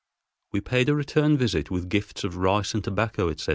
We paid a return visit with gifts of rice and tobacco, etc.